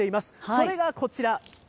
それがこちら。